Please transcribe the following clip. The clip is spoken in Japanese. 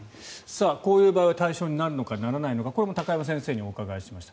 こういう場合は対象になるのかならないのかこれも高山先生に伺いました。